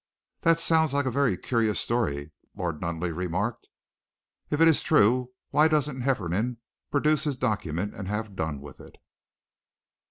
"That sounds like a very curious story," Lord Nunneley remarked. "If it is true, why doesn't Hefferom produce his document and have done with it?"